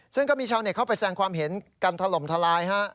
ซึ่งก็มีชาวเข้าไปแสงความเห็นกันทะลมทะลาย